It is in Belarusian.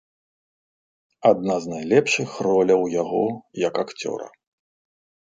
Адна з найлепшых роляў яго як акцёра.